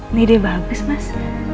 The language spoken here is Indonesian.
ini ide bagus mas